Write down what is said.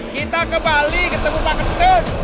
kita ke bali ketemu pak ketut